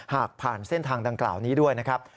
หากผ่านเส้นทางดังกล่าวนี้ด้วยนะครับ